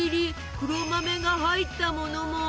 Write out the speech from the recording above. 黒豆が入ったものも。